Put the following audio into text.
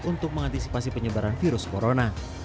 untuk mengantisipasi penyebaran virus corona